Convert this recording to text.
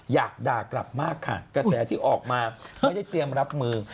อยากด่ากลับมากค่ะกระแสที่ออกมาไม่ได้เตรียมรับมือ